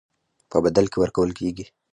په بدل کې ورکول کېږي.